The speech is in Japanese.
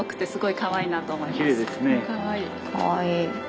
かわいい。